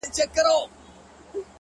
له ځان سره سوله خوښي راولي